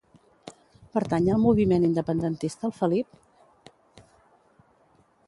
Pertany al moviment independentista el Felip?